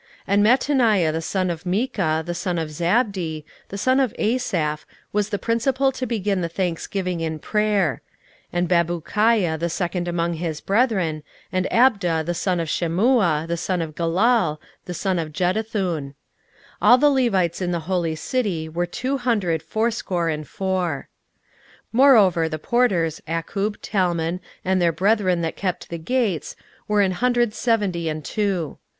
16:011:017 And Mattaniah the son of Micha, the son of Zabdi, the son of Asaph, was the principal to begin the thanksgiving in prayer: and Bakbukiah the second among his brethren, and Abda the son of Shammua, the son of Galal, the son of Jeduthun. 16:011:018 All the Levites in the holy city were two hundred fourscore and four. 16:011:019 Moreover the porters, Akkub, Talmon, and their brethren that kept the gates, were an hundred seventy and two.